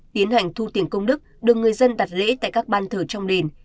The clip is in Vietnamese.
tiến hành thu tiền công đức được người dân đặt lễ tại các ban thờ trong đền